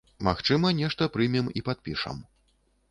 Магчыма, нешта прымем і падпішам.